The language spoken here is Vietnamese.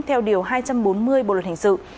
theo điều hai trăm bốn mươi bộ luật hình sự